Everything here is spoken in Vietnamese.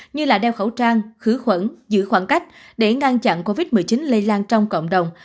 như đeo khẩu trang khử khuẩn giữ khoảng cách để ngăn chặn covid một mươi chín lây lan trong cộng đồng